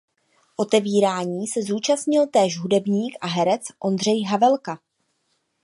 Otevírání se účastnil též hudebník a herec Ondřej Havelka.